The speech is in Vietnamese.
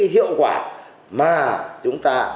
hiệu quả mà chúng ta